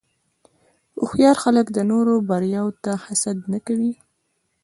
هوښیار خلک د نورو بریاوو ته حسد نه کوي.